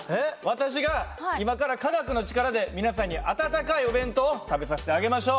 私が今から科学の力で皆さんに温かいお弁当を食べさせてあげましょう。